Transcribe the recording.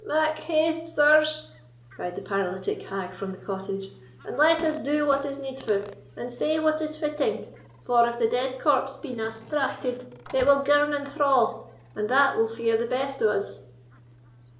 "Mak haste, sirs," cried the paralytic hag from the cottage, "and let us do what is needfu', and say what is fitting; for, if the dead corpse binna straughted, it will girn and thraw, and that will fear the best o' us."